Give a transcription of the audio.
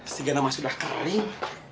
segera masuklah kering